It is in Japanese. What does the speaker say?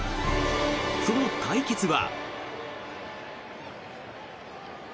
その対決は。